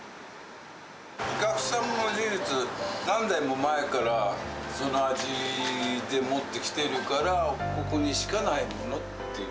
お客さんも事実、何代も前からこの味でもってきてるから、ここにしかないものっていう。